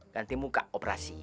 ganti muka operasi